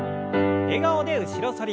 笑顔で後ろ反り。